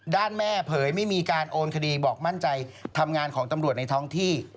แม่เผยไม่มีการโอนคดีบอกมั่นใจทำงานของตำรวจในท้องที่